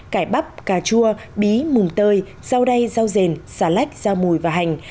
cải bắp cà chua bí mùng tơi rau đay rau rền xà lách rau mùi và hành